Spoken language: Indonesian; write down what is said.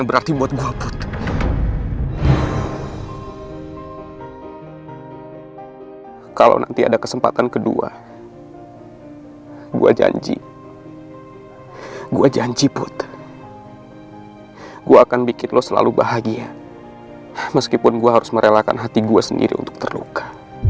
biar dokter bunu nungguinnya